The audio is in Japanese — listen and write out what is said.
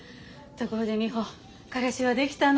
ところでミホ彼氏はできたの？